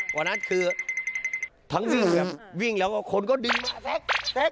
กว่านั้นคือทั้งที่วิ่งแล้วคนก็ดึงมาแซ็ก